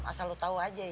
asal lu tau aja ye